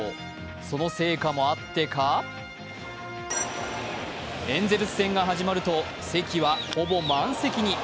その成果もあってかエンゼルス戦が始まると席はほぼ満席に。